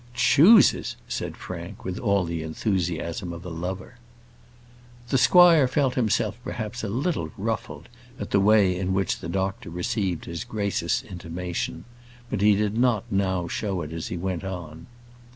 "Chooses!" said Frank, with all the enthusiasm of a lover. The squire felt himself perhaps a little ruffled at the way in which the doctor received his gracious intimation; but he did now show it as he went on.